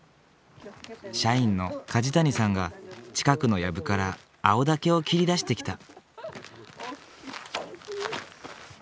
社員の楫谷さんが近くのやぶから青竹を切り出してきた。